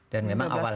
dan memang awalnya